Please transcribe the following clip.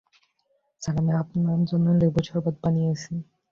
Sir, আমি আপনার জন্য লেবুর শরবত বানিয়েছি।